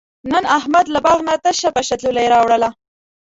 نن احمد له باغ نه تشه پشه ځولۍ راوړله.